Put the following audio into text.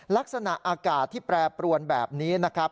ลักษณะอากาศที่แปรปรวนแบบนี้นะครับ